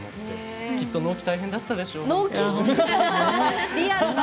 きっと納期大変だったでしょ。